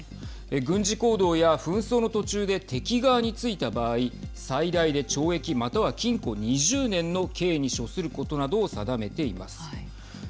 軍事行動や紛争の途中で敵側についた場合最大で懲役または禁錮２０年の刑に処することなどを定めています。